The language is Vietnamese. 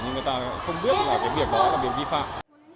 nhưng người ta không biết là cái việc đó là việc vi phạm